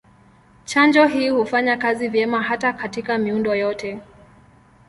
Chanjo hii hufanya kazi vyema hata katika miundo yote.